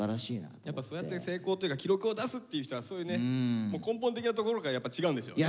そうやって成功というか記録を出すっていう人はそういうね根本的なところからやっぱ違うんでしょうね。